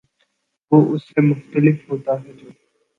وہ اس سے مختلف ہوتا ہے جو